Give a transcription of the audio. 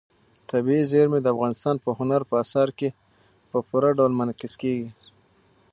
طبیعي زیرمې د افغانستان په هنر په اثار کې په پوره ډول منعکس کېږي.